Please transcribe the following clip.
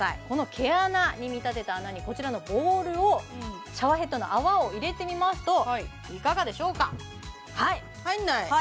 この毛穴に見立てた穴にこちらのボールをシャワーヘッドの泡を入れてみますといかがでしょうかはい入んない